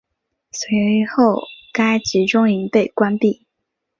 随后该集中营被关闭。